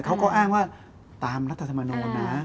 เขาก็อ้างว่าตามรัฐธรรมนูญนะ